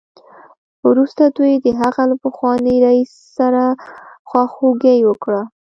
وروسته دوی د هغه له پخواني رییس سره خواخوږي وکړه